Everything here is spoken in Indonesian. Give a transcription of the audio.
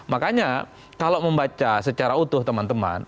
makanya kalau membaca secara utuh teman teman